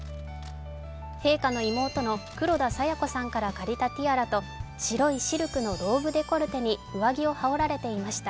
陛下の妹の黒田清子さんから借りたティアラと白いシルクのローブデコルテに上着を羽織られていました。